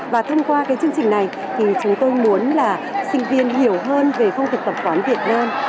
và thông qua cái chương trình này thì chúng tôi muốn là sinh viên hiểu hơn về phong tục tập quán việt nam